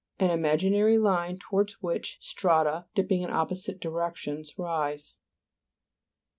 An imaginary line towards which strata, dipping in opposite directions, rise.